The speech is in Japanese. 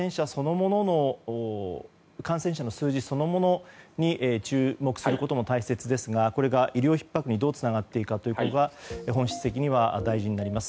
感染者数そのものに注目することも大切ですがこれが、医療崩壊にどうつながっていくことが本質的には大事になります。